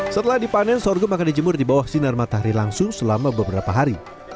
setelah dipanen sorghum akan dijemur di bawah sinar matahari langsung selama beberapa hari